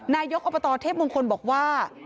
นายกอบตเทพมงคลบอกว่า